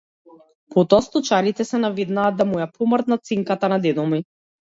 Потоа сточарите се наведнаа да му ја помрднат сенката на дедо ми.